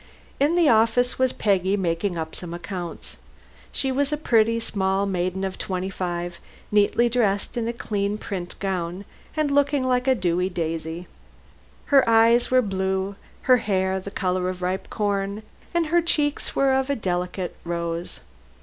In the office was Peggy, making up some accounts. She was a pretty, small maiden of twenty five, neatly dressed in a clean print gown, and looking like a dewy daisy. Her eyes were blue, her hair the color of ripe corn, and her cheeks were of a delicate rose.